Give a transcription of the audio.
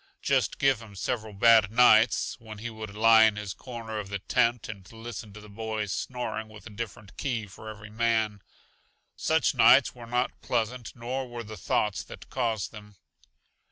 Just give him several bad nights, when he would lie in his corner of the tent and listen to the boys snoring with a different key for every man. Such nights were not pleasant, nor were the thoughts that caused them.